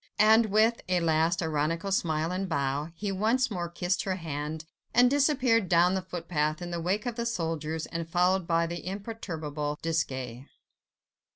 And, with a last ironical smile and bow, he once more kissed her hand, and disappeared down the footpath in the wake of the soldiers, and followed by the imperturbable Desgas.